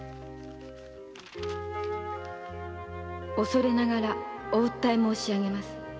恐れながら御訴え申し上げます。